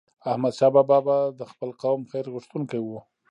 احمدشاه بابا به د خپل قوم خیرغوښتونکی و.